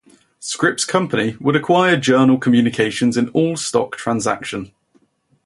Scripps Company would acquire Journal Communications in an all-stock transaction.